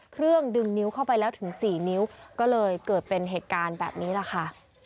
เครื่องดึงนิ้วเข้าไปแล้วถึง๔นิ้วก็เลยเกิดเป็นเหตุการณ์แบบนี้แหละค่ะ